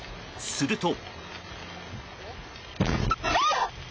すると。